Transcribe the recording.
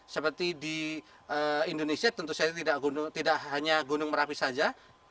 seperti di indonesia tentu saja tidak hanya gunung merapi saja